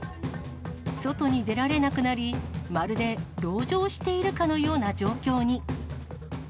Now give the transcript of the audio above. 外に出られなくなり、まるで籠城しているかのような状況に。